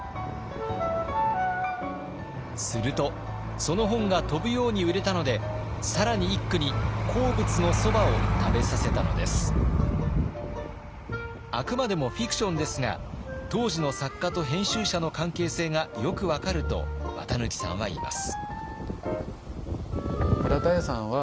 するとその本が飛ぶように売れたので更に一九にあくまでもフィクションですが当時の作家と編集者の関係性がよく分かると綿抜さんは言います。